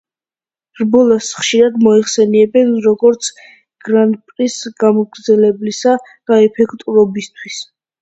რბოლას ხშირად მოიხსენიებენ როგორც „გრან-პრის გამძლეობისა და ეფექტურობისთვის“.